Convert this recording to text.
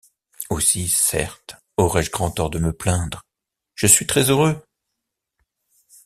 Aussi, certes, aurais-je grand tort de me plaindre, je suis très-heureux...